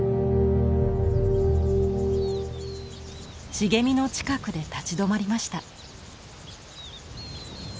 茂みの近くで立ち止まりました。